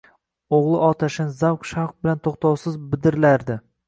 O`g`il otashin, zavq-shavq bilan to`xtovsiz bidirlardi